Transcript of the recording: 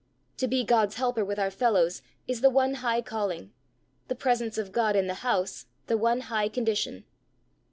To be God's helper with our fellows is the one high calling; the presence of God in the house the one high condition.